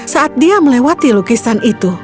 saat dia melewati lukisan itu